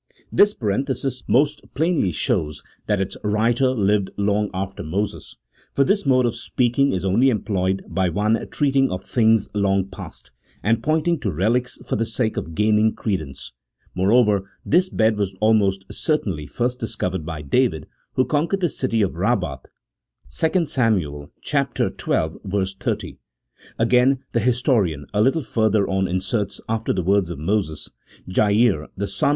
This parenthesis most plainly shows that its writer lived long after Moses ; for this mode of speaking is only employed by one treating of things long past, and pointing to relics for the sake of gaining credence : moreover, this bed was almost certainly first discovered by David, who conquered the city of Eabbath (2 Sam. xii. 30.) Again, the historian a little further on inserts after the words of Moses, " Jair, the son 1 See Xote 9. CHAP. Till.] THE AUTHORSHIP OF THE PENTATEUCH.